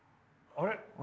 あれ？